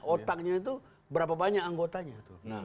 otaknya itu berapa banyak anggotanya